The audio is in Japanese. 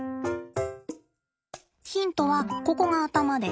ヒントはここが頭で。